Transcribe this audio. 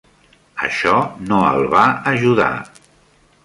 Això no el va ajudar.